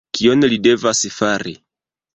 Kion li devas fari?